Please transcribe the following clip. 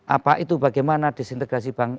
apa itu bagaimana disintegrasi bank